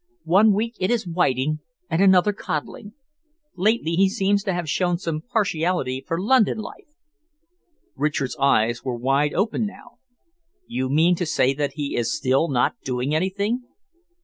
One week it is whiting and another codling. Lately he seems to have shown some partiality for London life." Richard's eyes were wide open now. "You mean to say that he is still not doing anything?"